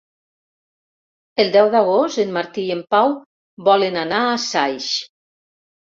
El deu d'agost en Martí i en Pau volen anar a Saix.